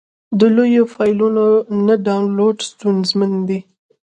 د لویو فایلونو نه ډاونلوډ ستونزمن دی.